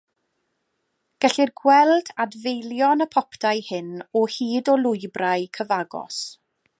Gellir gweld adfeilion y poptai hyn o hyd o lwybrau cyfagos.